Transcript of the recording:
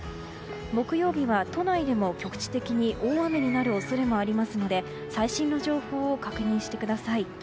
木曜日は都内でも局地的に大雨になる恐れもありますので最新の情報を確認してください。